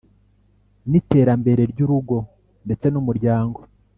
n’iterambere ry’urugo ndetse numuryango